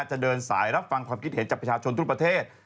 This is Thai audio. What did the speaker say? จะเดินสายรับฟังความคิดเห็นจากประชาชนทุกประเทศ